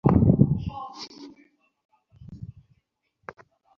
এদের সঙ্গে ক্ষীণ আত্মীয়তার সম্পর্ক আছে।